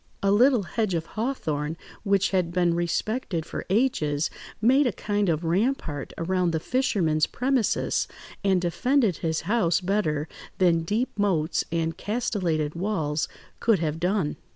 A little hedge of hawthorn, which had been respected for ages, made a kind of rampart around the fisherman's premises, and defended his house better than deep moats and castellated walls could have done.